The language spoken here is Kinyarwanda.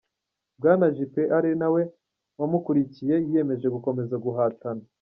Bwana Juppe ari nawe yamukwirikiye, yiyemeje gukomeza guhatana.